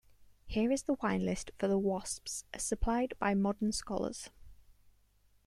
Here is the wine list for "The Wasps" as supplied by modern scholars.